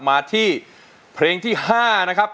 มาที่เพลงที่๕นะครับ